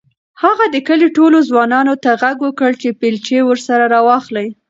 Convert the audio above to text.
هغه د کلي ټولو ځوانانو ته غږ وکړ چې بیلچې ورسره راواخلي.